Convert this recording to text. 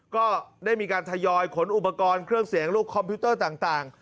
ก็ได้มีการทยอยขนอุปกรณ์เครื่องเสียงลูกคอมพิวเตอร์ต่าง